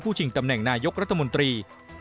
ชิงตำแหน่งนายกรัฐมนตรี